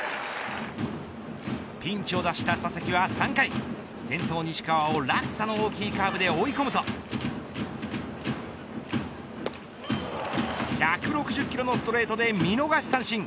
ピンチを脱した佐々木は３回先頭西川を落差の大きいカーブで追い込むと１６０キロのストレートで見逃し三振。